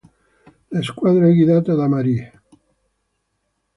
La squadra è guidata da Marie.